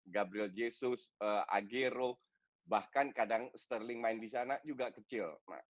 gabriel jesus aguero bahkan kadang sterling main disana juga berada di sana